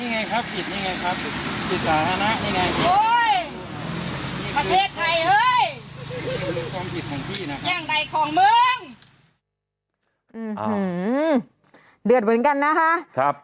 อย่างใดของมึงอื้อหือเดือดเหมือนกันนะคะครับ